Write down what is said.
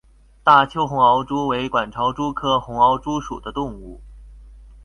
大邱红螯蛛为管巢蛛科红螯蛛属的动物。